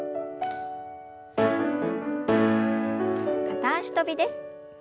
片脚跳びです。